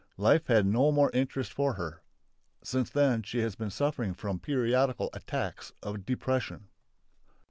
Life had no more interest for her. Since then she has been suffering from periodical attacks of depression.